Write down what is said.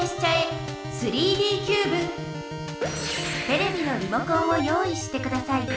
テレビのリモコンを用意してください。